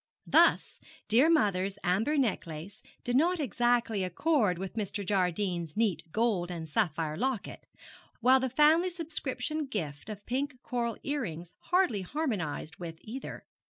Thus, dear mother's amber necklace did not exactly accord with Mr. Jardine's neat gold and sapphire locket; while the family subscription gift of pink coral earrings hardly harmonised with either.